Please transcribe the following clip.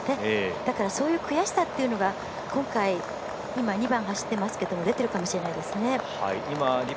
だからそういう悔しさというのが今回、今２番を走ってますけど出ているかもしれないですね。